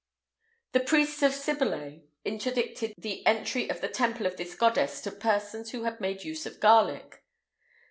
[IX 189] The priests of Cybele interdicted the entry of the temple of this goddess to persons who had made use of garlic.